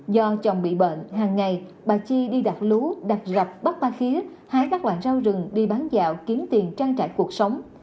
do chồng bị bệnh hàng ngày bà chi đi đặt lúa đặt rập bắt ba khía hái các loại rau rừng đi bán dạo kiếm tiền trang trải cuộc sống